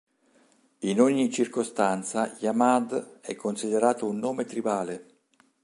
In ogni circostanza, Yamhad è considerato un nome tribale.